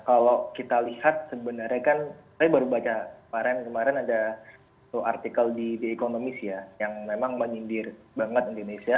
kalau kita lihat sebenarnya kan saya baru baca kemarin kemarin ada artikel di the economist ya yang memang menyindir banget indonesia